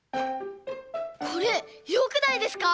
これよくないですか？